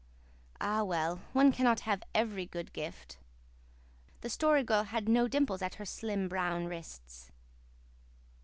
Ah well, one cannot have every good gift! The Story Girl had no dimples at her slim, brown wrists.